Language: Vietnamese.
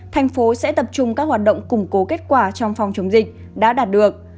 thành phố sẽ tập trung các hoạt động củng cố kết quả trong phòng chống dịch đã đạt được